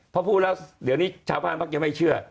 พอพูดแล้วเดี๋ยวนี้ชาวบ้านมักจะไม่เชื่อ